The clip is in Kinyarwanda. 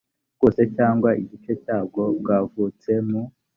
bwose cyangwa igice cyabwo bwavutse mu